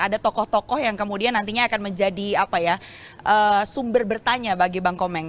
ada tokoh tokoh yang kemudian nantinya akan menjadi sumber bertanya bagi bang komeng